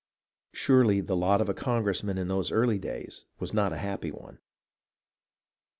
Surely the lot of a Congressman in those early days was not a happy one.